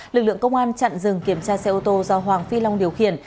lực lượng công an chặn rừng kiểm tra xe ô tô do hoàng phi long điều khiển